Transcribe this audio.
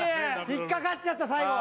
引っかかっちゃった最後！